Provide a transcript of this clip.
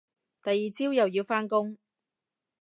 第二朝又要返工